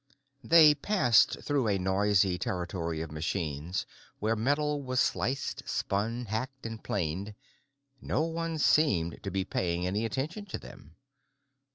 They passed through a noisy territory of machines where metal was sliced, spun, hacked, and planed; no one seemed to be paying any attention to them.